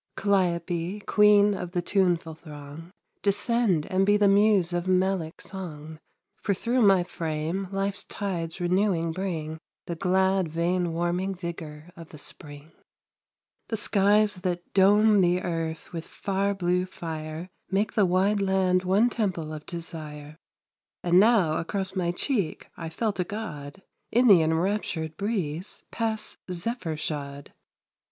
Calliope, queen of the tuneful throng, Descend and be the Muse of melic song; For through my frame life's tides renewing bring The glad vein warming vigor of the spring. The skies that dome the earth with far blue fire Make the wide land one temple of desire; Just now across my cheek I felt a God, In the enraptured breeze, pass zephyr shod.